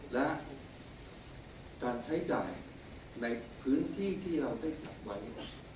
และการใช้จ่ายในพื้นที่ที่เราได้จัดไว้